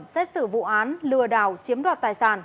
xét xử vụ án lừa đảo chiếm đoạt tài sản